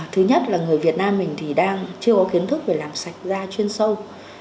thứ nhất là người việt nam mình thì đang chưa có kiến thức về làm sạch da chuyên sâu